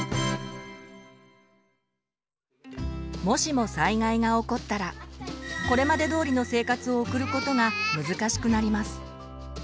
もしも災害が起こったらこれまでどおりの生活を送ることが難しくなります。